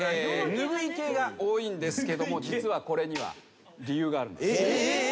拭い系が多いんですけど実はこれには理由があるんです。